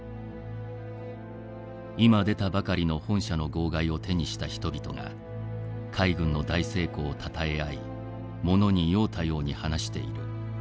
「いま出たばかりの本社の号外を手にした人々が海軍の大成功を讃え合い物に酔うたように話している。